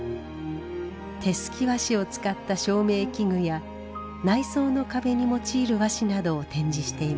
手すき和紙を使った照明器具や内装の壁に用いる和紙などを展示しています。